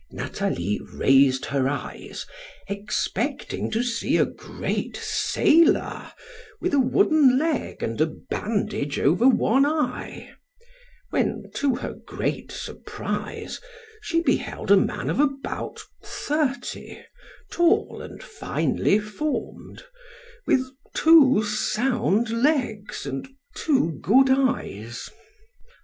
Nathalie raised her eyes, expecting to see a great sailor, with a wooden leg and a bandage over one eye; when to her great surprise, she beheld a man of about thirty, tall and finely formed, with two sound legs and two good eyes.